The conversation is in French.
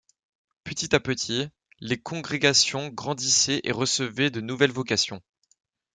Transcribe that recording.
Petit à petit, les congrégations grandissaient et recevaient de nouvelles vocations.